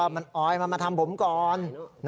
มันออยมันมาทำผมก่อน